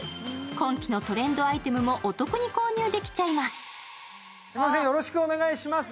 今季のトレンドアイテムもお得に購入できちゃいます。